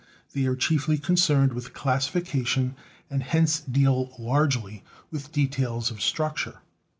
They are chiefly concerned with classification and hence deal largely with details of structure.